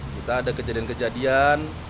kita ada kejadian kejadian